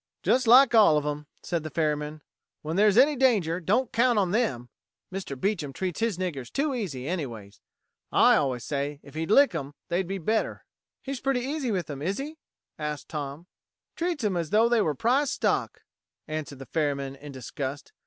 "Just like all of 'em," said the ferryman. "When there's any danger, don't count on them. Mr. Beecham treats his niggers too easy, anyways. I always say if he'd lick 'em they'd be better." "He's pretty easy with them, is he?" asked Tom. "Treats 'em as though they were prize stock," answered the ferryman in disgust.